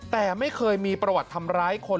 แต่ไม่เคยมีประวัติทำร้ายคน